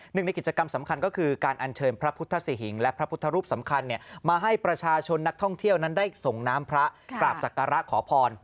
หนึ่งในกิจกรรมสำคัญก็คือการอัญเชิญพระพุทธสิหิงและพระพุทธรูปสำคัญมาให้ประชาชนนักท่องเที่ยวนั้นได้ส่งน้ำพระกราบศักระขอพร